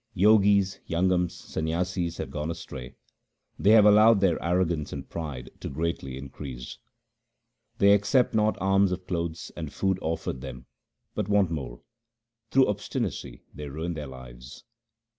Jogis, Jangams, Sanyasis have gone astray ; they have allowed their arrogance and pride to greatly increase. They accept not alms of clothes and food offered them, 1 but want more ; through obstinacy they ruin their lives.